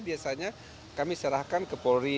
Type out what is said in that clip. biasanya kami serahkan ke polri